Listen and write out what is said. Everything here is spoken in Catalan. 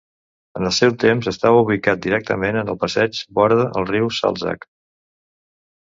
En el seu temps estava ubicat directament en el passeig vora el riu Salzach.